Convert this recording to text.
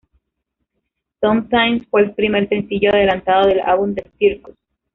Sometimes fue el primer sencillo adelanto del álbum The Circus.